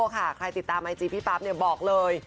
ใครติดตามไอจีพี่ปั๊บบอกเลย